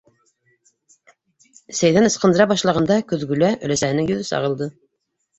Сәйҙән ысҡындыра башлағанда көҙгөлә өләсәһенең йөҙө сағылды.